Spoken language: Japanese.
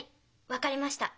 分かりました。